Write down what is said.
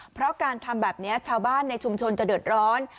เพราะการทำแบบนี้ชาวบ้านในชุมชนจะเดือดร้อน